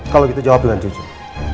kalau gitu jawab dengan jujur